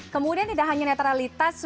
kemudian tidak hanya netralitas